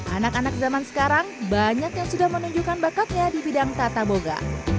anak anak zaman sekarang banyak yang sudah menunjukkan bakatnya di bidang tata boga